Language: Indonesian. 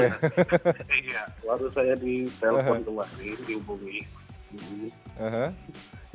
iya baru saya di telpon ke wahri dihubungi